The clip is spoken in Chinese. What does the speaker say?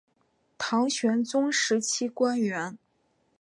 唐玄宗时期官员。